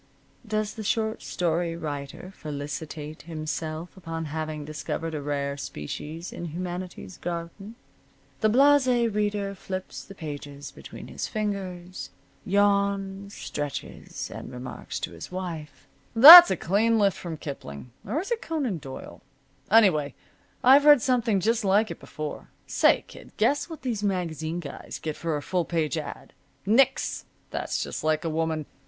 Does the short story writer felicitate himself upon having discovered a rare species in humanity's garden? The Blase Reader flips the pages between his fingers, yawns, stretches, and remarks to his wife: "That's a clean lift from Kipling or is it Conan Doyle? Anyway, I've read something just like it before. Say, kid, guess what these magazine guys get for a full page ad.? Nix. That's just like a woman.